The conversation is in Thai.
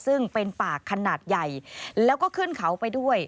ซึ่งเป็นป่าขนาดใหญ่แล้วก็ขึ้นเขาไปด้วย